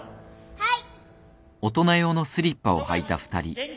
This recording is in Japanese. はい。